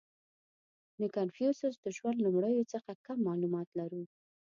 • د کنفوسیوس د ژوند لومړیو څخه کم معلومات لرو.